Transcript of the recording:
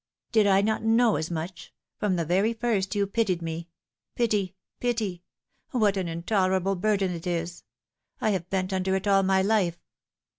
" Did I not know as much ? From the very first you pitied me. Pity, pity ! What an intolerable burden it is ! I have bent under it all my life."